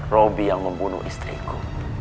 robby yang membunuh istriku